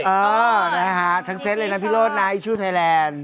เออนะฮะทั้งเซตเลยนะพี่โรธนะชื่อไทยแลนด์